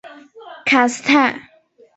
卡斯泰。